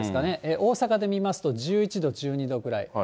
大阪で見ますと、１１度、１２度ぐらい。